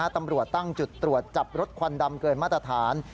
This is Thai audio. ตำรวจตั้งจุดตรวจจับรถควันดำเกินมาตรฐาน